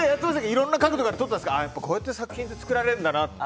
いろんな角度から撮ったんですけどやっぱこうやって作品って作られるんだなって。